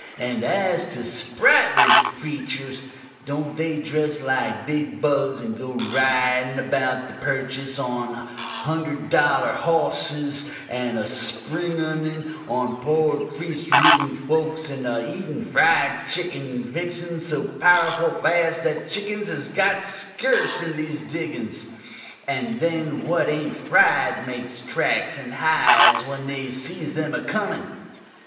And as to Sprightly's preachurs, don't they dress like big bugs, and go ridin about the Purchis on hunder dollur hossis, a spunginin on poor priest riden folks and a eatin fried chickin fixins so powerful fast that chickins has got skerse in these diggins; and then what ain't fried makes tracks and hides when they sees them a comin?